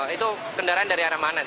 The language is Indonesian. itu kendaraan dari arah mana